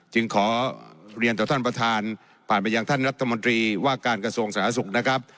จึงขอเรียนต่อท่านประธานผ่านไปยังท่านรัฐมนตรีว่าการกระทรวงสาธารณสุขนะครับ